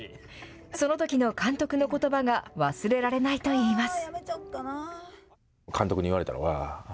そのときの監督のことばが忘れられないといいます。